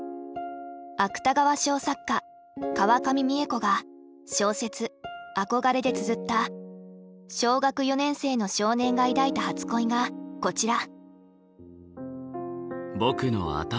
芥川賞作家川上未映子が小説「あこがれ」でつづった小学４年生の少年が抱いた初恋がこちら。